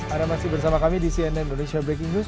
ada masih bersama kami di cnn indonesia breaking news